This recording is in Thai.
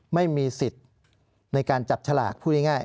ไม่มีสิทธิ์ในการจับฉลากพูดง่าย